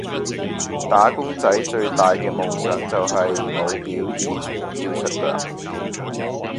打工仔最大噶夢想就係，冇表現，照出糧